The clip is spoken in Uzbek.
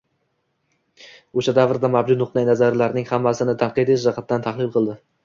O‘sha davrda mavjud nuqtai nazarlarning hammasini tanqidiy jihatdan talqin qildi